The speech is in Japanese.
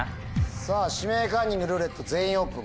さぁ「指名カンニング」「ルーレット」「全員オープン」